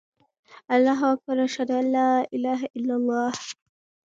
اللهاکبر، اشهدان الاله االاهلل